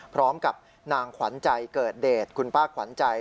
พร้อมกับนางขวัญใจเกิดเดชคุณป้าขวัญใจ